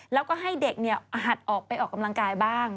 แล้วก็ให้เด็กหัดออกไปออกกำลังกายบ้าง